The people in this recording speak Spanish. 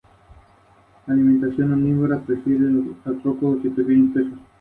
Otras localidades importantes son Exmouth, Denham, Gascoyne Junction y Coral Bay.